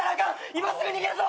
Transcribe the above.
今すぐ逃げるぞ！